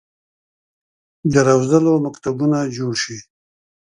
د روزلو مکتبونه جوړ شي.